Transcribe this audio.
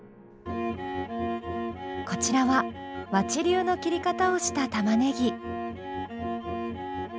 こちらは和知流の切り方をした玉ねぎ。